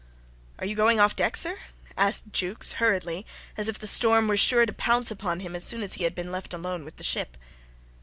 "Are you going off the deck, sir?" asked Jukes, hurriedly, as if the storm were sure to pounce upon him as soon as he had been left alone with the ship.